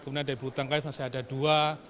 kemudian dari berutang kayu masih ada dua